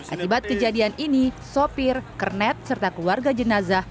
akibat kejadian ini sopir kernet serta keluarga jenazah